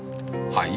はい？